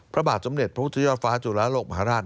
พระบาทสมเด็จพระพุทธยอดฟ้าจุฬาโลกมหาราช